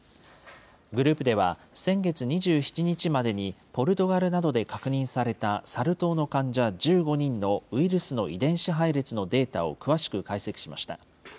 グループでは、先月２７日までにポルトガルなどで確認されたサル痘の患者１５人のウイルスの遺伝子配列のデータを詳しく解析しました。